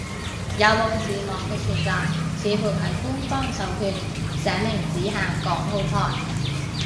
有冇字幕嘅全集，似乎係官方授權，寫明只限港澳台